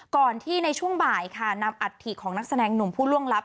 ก่อนที่ในช่วงบ่ายค่ะนำอัฐิของนักแสดงหนุ่มผู้ล่วงลับ